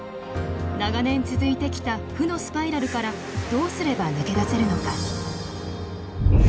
長年続いてきた負のスパイラルからどうすれば抜け出せるのか？